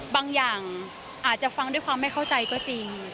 บางอย่างอาจจะฟังด้วยความไม่เข้าใจก็จริง